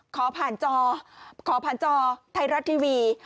ขอผ่านจอขอผ่านจอไทยรัฐทีวี